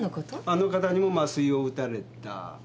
あの方にも麻酔を打たれた。